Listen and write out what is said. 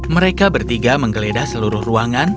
mereka bertiga menggeledah seluruh ruangan